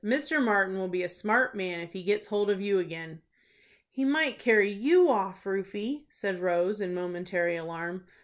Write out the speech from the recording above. "Mr. Martin will be a smart man if he gets hold of you again." "He might carry you off, Rufie," said Rose, in momentary alarm.